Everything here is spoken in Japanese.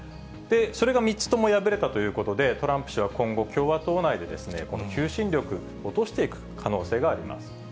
それが３つとも敗れたということで、トランプ氏は今後、共和党内で、この求心力、落していく可能性があります。